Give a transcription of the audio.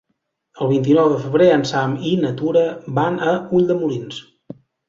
El vint-i-nou de febrer en Sam i na Tura van a Ulldemolins.